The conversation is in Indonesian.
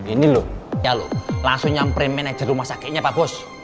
ini loh langsung nyamperin manajer rumah sakitnya pak bos